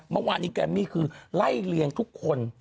เมื่อวานนี้แกมมี่คือไล่เลี้ยงทุกคน